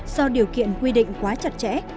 do điều kiện quy định quá chặt chẽ